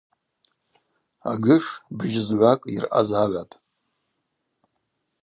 Аджыш бжьызгӏвакӏ йыръазагӏвапӏ.